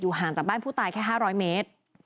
เหตุอยู่ห่างจากบ้านผู้ตายแค่๕๐๐เมตร